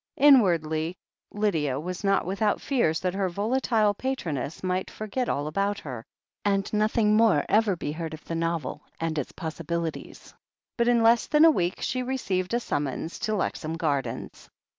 Inwardly, Lydia was not without fears that her volatile patroness might forget all about her, and noth ing more ever be heard of the novel and its possibilities, but in less than a week she received a stunmons to Lexham Gardens.